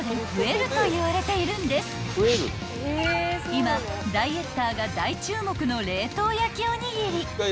［今ダイエッターが大注目の冷凍焼おにぎり］